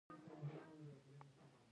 ننوتل منع دي